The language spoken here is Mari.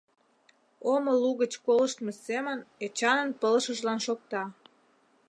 Омо лугыч колыштмо семын Эчанын пылышыжлан шокта: